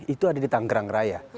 itu ada di tanggerang raya